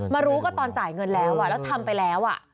รู้ก็ตอนจ่ายเงินแล้วแล้วทำไปแล้ว